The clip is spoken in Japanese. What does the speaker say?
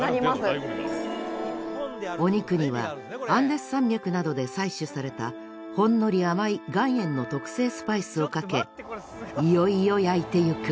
お肉にはアンデス山脈などで採取されたほんのり甘い岩塩の特製スパイスをかけいよいよ焼いていく。